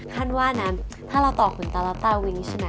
ขั้นว่านะถ้าเราต่อขนตาแล้วตาวินิชนะ